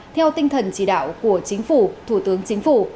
theo tinh thần chỉ đạo của chính phủ thủ tướng chính phủ